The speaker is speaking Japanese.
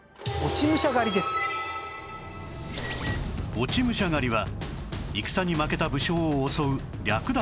落武者狩りは戦に負けた武将を襲う略奪行為